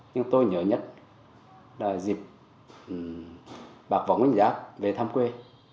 nhưng tôi nhớ nhất là dịp bạc võ nguyễn giáp về thăm quê